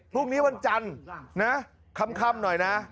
พรุ่งนี้วันจันทร์นะค่ำหน่อยนะ